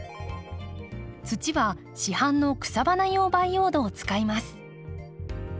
土は市販の草花用培養土を使います。